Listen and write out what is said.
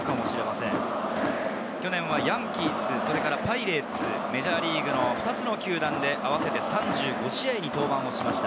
去年はヤンキース、パイレーツ、メジャーリーグの２つの球団で合わせて３５試合に登板しました。